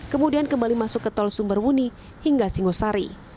kemudian kembali masuk ke tol sumberwuni hingga singosari